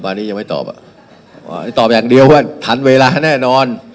ตอนนี้ยังไม่ตอบอ่ะอ๋อตอบอย่างเดียวว่าทันเวลาแน่นอน